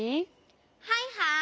はいはい！